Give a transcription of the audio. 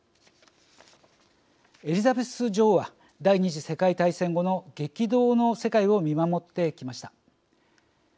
エリザベス女王は第２次世界大戦後の激動の世界を見守ってきました。